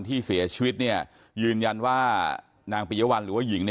ที่เสียชีวิตเนี่ยยืนยันว่านางปิยะวันหรือว่าหญิงเนี่ย